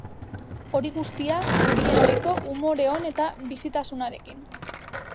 Hori guztia, bien ohiko umore on eta bizitasunarekin.